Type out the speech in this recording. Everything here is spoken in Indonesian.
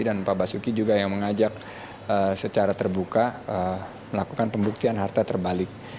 pak basuki juga yang mengajak secara terbuka melakukan pembuktian harta terbalik